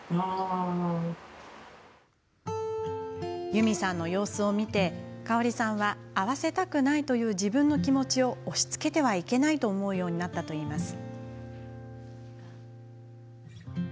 ユミさんの様子を見て香さんは会わせたくないという自分の気持ちを押しつけてはいけないと思うようになったといいます。